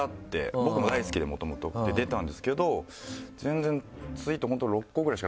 僕も大好きでもともと出たんですけど全然。